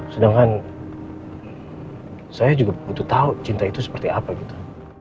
sedangkan saya juga butuh tahu cinta itu seperti apa gitu